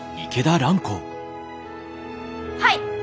はい！